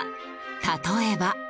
例えば。